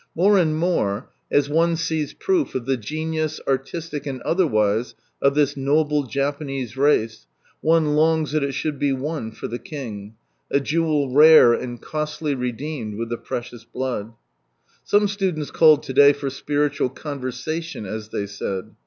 More and more, as one sees proof of the genius, artistic and otherwise of this noble Japanese race, one longs that it should be won for the King — a jewel rare and costly redeemed with the precious Blood. Some students called to day for " spiritual conversation," as they said.